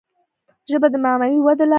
ژبه د معنوي ودي لاره ده.